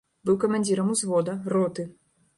Быў камандзірам узвода, роты.